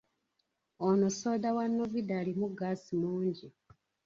Ono soda wa Novida alimu ggaasi mungi.